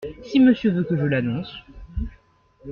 Si Monsieur veut que je l’annonce ?